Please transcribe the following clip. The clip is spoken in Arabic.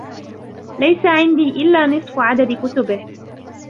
ليس عندي إلا نصف عدد كتبه.